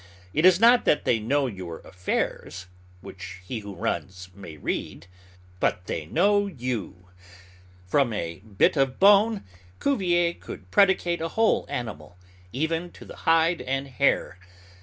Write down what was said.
It is not that they know your affairs, which he who runs may read, but they know you. From a bit of bone, Cuvier could predicate a whole animal, even to the hide and hair.